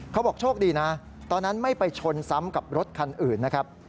เขาบอกโชคดีนะตอนนั้นไม่ไปชนซ้ำกับรถคันอื่นนะครับ